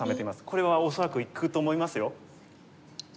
これは恐らくいくと思いますよ。